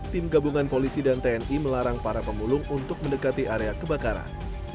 tim gabungan polisi dan tni melarang para pemulung untuk mendekati area kebakaran